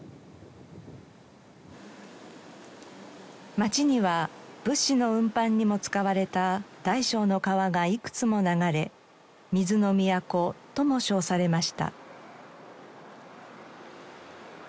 町には物資の運搬にも使われた大小の川がいくつも流れ水の都とも称されました。